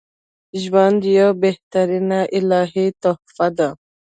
ژوند یوه بهترینه الهی تحفه ده